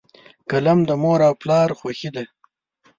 قلم د مور او پلار خوښي ده.